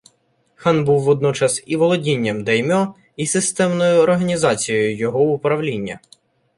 Хан був водночас і володінням даймьо, і системною організацією його управління.